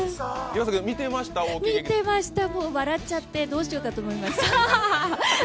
見てました、もう笑っちゃってどうしようかと思いました。